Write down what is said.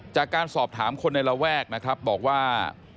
จากการสอบถามคนในระแวกนะครับบอกว่า